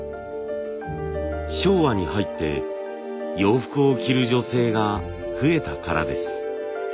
昭和に入って洋服を着る女性が増えたからです。